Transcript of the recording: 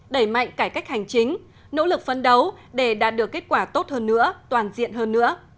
đẩy mạnh cải cách hành chính nỗ lực phấn đấu để đạt được kết quả tốt hơn nữa toàn diện hơn nữa